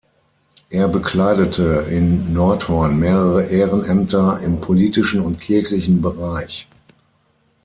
Er bekleidete in Nordhorn mehrere Ehrenämter im politischen und kirchlichen Bereich.